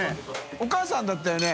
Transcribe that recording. お母さんだったよね？